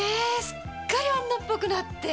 すっかり女っぽくなって。